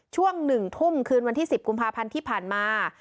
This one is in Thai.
ช่วง๑ทุ่มคืนวันที่๑๐กุมภาพันธ์ที่ผ่านมา